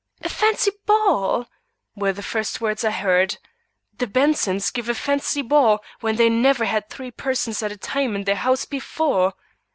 "A fancy ball!" were the first words I heard. "The Bensons give a fancy ball, when they never had three persons at a time in their house before!"